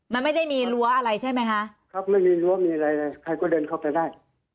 มันไม่ได้มีรั้วอะไรใช่ไหมคะครับไม่มีรั้วมีอะไรเลยใครก็เดินเข้าไปได้